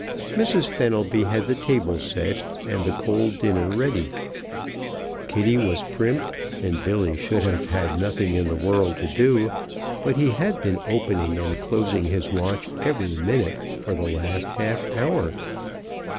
Mrs. Fenelby had the table set and the cold dinner ready; Kitty was primped; and Billy should have had nothing in the world to do, but he had been opening and closing his watch every minute for the last half hour.